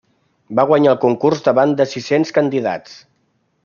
Va guanyar el concurs davant de sis-cents candidats.